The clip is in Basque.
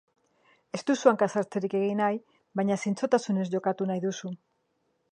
Ez duzu hanka-sartzerik egin nahi, baina zintzotasunez jokatu nahi duzu.